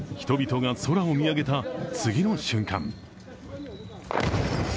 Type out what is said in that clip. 人々が空を見上げた次の瞬間。